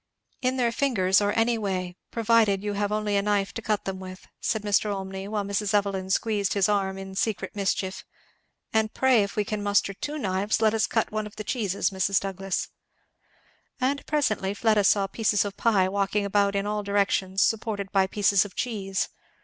"In their fingers, or any way, provided you have only a knife to cut them with," said Mr. Olmney, while Mrs. Evelyn squeezed his arm in secret mischief; "and pray if we can muster two knives let us cut one of these cheeses, Mrs. Douglass." And presently Fleda saw pieces of pie walking about in all directions supported by pieces of cheese.